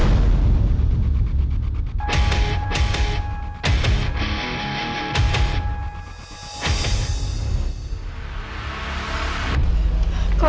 aku mau ke rumah